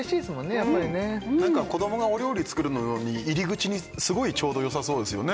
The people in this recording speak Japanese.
やっぱりね子どもがお料理作るのに入り口にすごいちょうどよさそうですよね